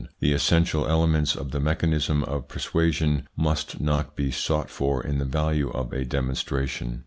The essential elements of the mechanism of persuasion must not be sought for in the value of a demonstration.